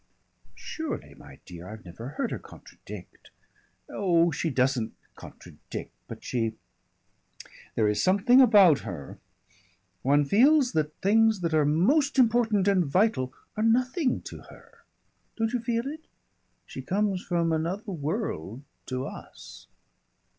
"Surely, my dear! I've never heard her contradict." "Oh, she doesn't contradict. But she There is something about her One feels that things that are most important and vital are nothing to her. Don't you feel it? She comes from another world to us."